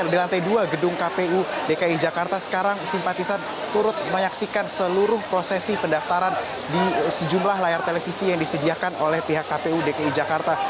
di lantai dua gedung kpu dki jakarta sekarang simpatisan turut menyaksikan seluruh prosesi pendaftaran di sejumlah layar televisi yang disediakan oleh pihak kpu dki jakarta